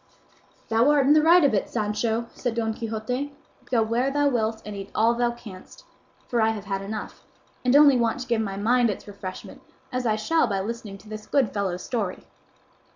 "Thou art in the right of it, Sancho," said Don Quixote; "go where thou wilt and eat all thou canst, for I have had enough, and only want to give my mind its refreshment, as I shall by listening to this good fellow's story."